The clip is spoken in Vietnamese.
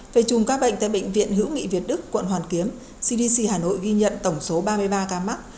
về chùm các bệnh tại bệnh viện hữu nghị việt đức quận hoàn kiếm cdc hà nội ghi nhận tổng số ba mươi ba ca mắc